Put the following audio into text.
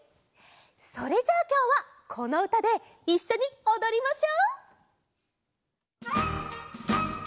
それじゃあきょうはこのうたでいっしょにおどりましょう！